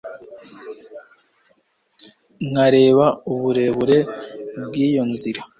nkareba uburebure bw'iyo nzira